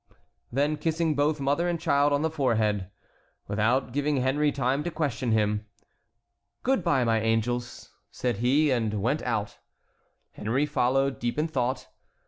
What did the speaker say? Then kissing both mother and child on the forehead, without giving Henry time to question him: "Good by, my angels," said he, and went out. Henry followed, deep in thought.